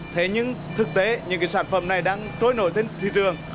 thế nhưng thực tế những sản phẩm này đang trôi nổi trên thị trường